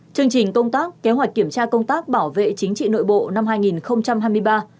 chương trình công tác kế hoạch kiểm tra công tác bảo vệ chính trị nội bộ năm hai nghìn hai mươi ba